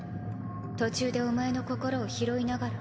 途中でお前の心を拾いながら。